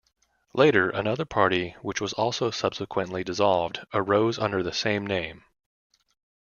Later, another party, which was also subsequently dissolved, arose under the same name.